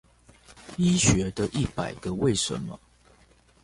醫學的一百個為什麼